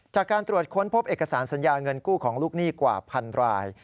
จากการตรวจค้นพบเอกสารสัญญาเงินกู้ของลูกหนี้กว่าพันราย